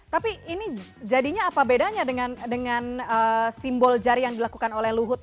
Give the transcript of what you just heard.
tapi ini jadinya apa bedanya dengan simbol jari yang dilakukan oleh luhut